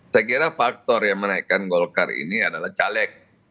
saya kira faktor yang menaikkan golkar ini adalah caleg